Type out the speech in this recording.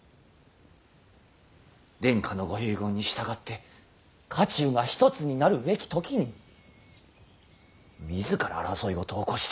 殿下のご遺言に従って家中が一つになるべき時に自ら争いごとを起こしておる。